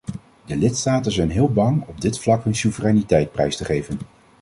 De lidstaten zijn heel bang op dit vlak hun soevereiniteit prijs te geven.